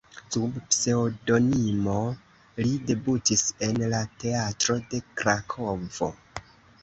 Sub pseŭdonimo li debutis en la teatro de Krakovo.